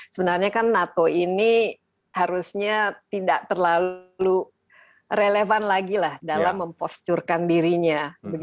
sebenarnya kan nato ini harusnya tidak terlalu relevan lagi lah dalam memposturkan dirinya